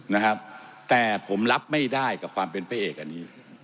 นะครับแต่ผมรับไม่ได้กับความเป็นพระเอกอันนี้